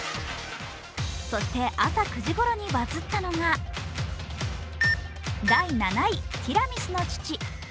そして、朝９時ごろにバズったのが第７位、ティラミスの父。